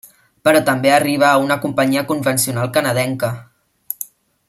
Però també arriba una companyia convencional canadenca.